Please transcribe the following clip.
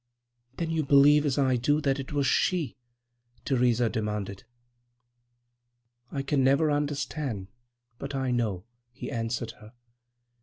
"Then you believe, as I do, that it was she?" Theresa demanded. "I can never understand, but I know," he answered her.